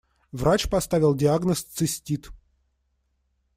Врач поставил диагноз «цистит».